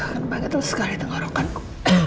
kan banget lo sekali tengah rokan ku